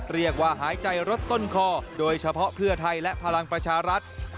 หายใจรถต้นคอโดยเฉพาะเพื่อไทยและพลังประชารัฐ